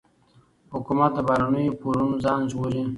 حکومت له بهرنیو پورونو ځان ژغوري.